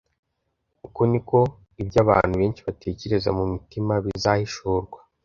Uko niko: "Ibyo abantu benshi batekereza mu mitima bizahishurwa."